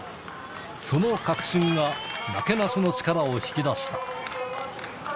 その確信が、なけなしの力を引き出した。